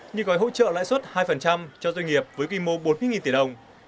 như gói hỗ trợ lãi xuất hai cho doanh nghiệp với kỳ mô bốn mươi tỷ đồng